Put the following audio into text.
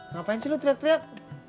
ngapain sih lu teriak teriak